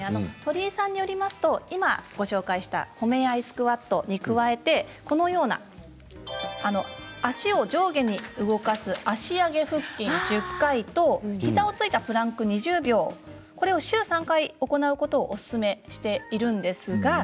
鳥居さんによりますと今、ご紹介した褒め合いスクワットに加えて足を上下に動かす足上げ腹筋１０回と膝を着いたプランク２０秒これを週３回行うことをおすすめしているんです。